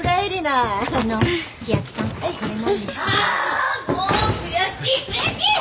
いや。